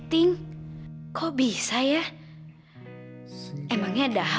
bayi angu dia bisa bisa mampus menderita